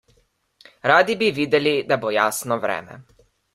Radi bi videli, da bo jasno vreme.